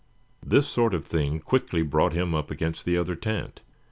This sort of thing quickly brought him up against the other tent.